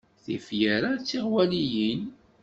Tifyar-a d tiɣwaliyin.